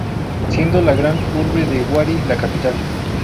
Siendo la gran urbe de Wari, la capital.